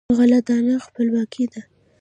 غله دانه خپلواکي ده.